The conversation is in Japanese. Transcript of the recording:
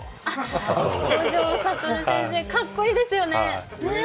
五条悟先生、かっこいいですよね！